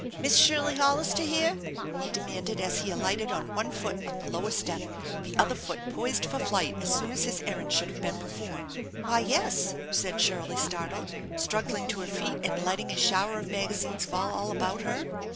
" Miss Shirley Hollister here ?" he demanded as he alighted on one foot on the lower step, the other foot poised for flight as soon as his errand should have been performed. " Why, yes/' said Shirley, startled, struggling to her feet and letting a shower of magazines fall all about her.